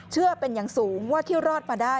เชื่อเป็นอย่างสูงว่าที่รอดมาได้